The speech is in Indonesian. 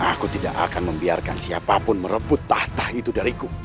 aku tidak akan membiarkan siapapun merebut tahta itu dariku